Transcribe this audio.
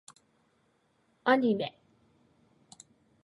アニメ